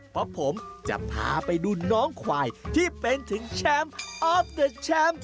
เพราะผมจะพาไปดูน้องควายที่เป็นถึงแชมป์ออฟเดอร์แชมป์